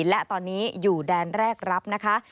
และตอนนี้อยู่แดนแรกรับนะคะ